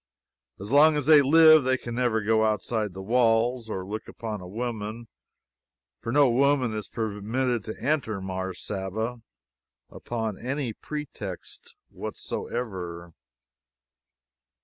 As long as they live they can never go outside the walls, or look upon a woman for no woman is permitted to enter Mars Saba, upon any pretext whatsoever.